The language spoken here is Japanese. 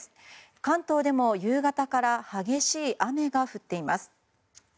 関東でも夕方から激しい雨が降っています。